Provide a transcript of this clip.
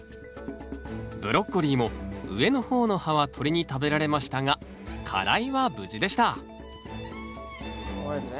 ブロッコリーも上の方の葉は鳥に食べられましたが花蕾は無事でしたここですね。